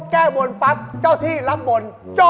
แก้ได้เลย